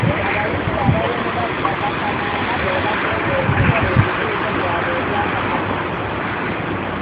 Abayizi abawerera ddala kanaana bebagenda okukola ebibuuzo byabwe ebyakamalirizo.